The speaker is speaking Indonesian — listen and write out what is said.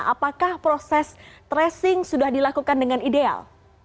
apakah proses tracing sudah dilakukan dengan ideal